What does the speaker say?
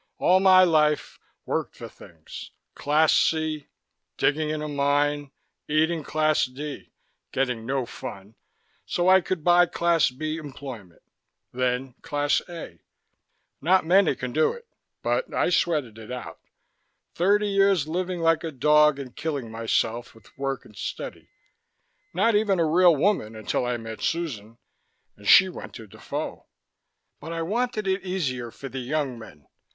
All my life, worked for things. Class C, digging in a mine, eating Class D, getting no fun, so I could buy Class B employment. Then Class A. Not many can do it, but I sweated it out. Thirty years living like a dog and killing myself with work and study. Not even a real woman until I met Susan, and she went to Defoe. But I wanted it easier for the young men.